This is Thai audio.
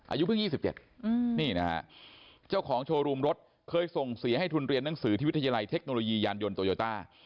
อายุเพิ่ง๒๗นี่นะฮะเจ้าของโชว์รูมรถเคยส่งเสียให้ทุนเรียนหนังสือที่วิทยาลัยเทคโนโลยียานยนโตโยต้า